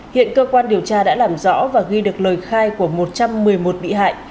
hiện cơ quan điều tra đã làm rõ và ghi được lời khai của một trăm một mươi một bị hại